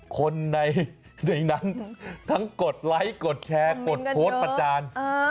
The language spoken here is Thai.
คนในนั้นทั้งกดไลค์กดแชร์กดโพสต์ประจาน